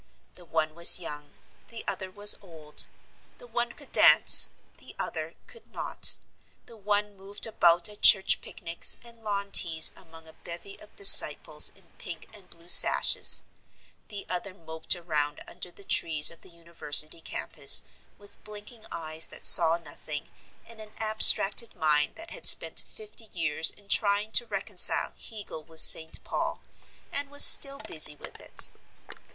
The one was young, the other was old; the one could dance the other could not; the one moved about at church picnics and lawn teas among a bevy of disciples in pink and blue sashes; the other moped around under the trees of the university campus with blinking eyes that saw nothing and an abstracted mind that had spent fifty years in trying to reconcile Hegel with St. Paul, and was still busy with it.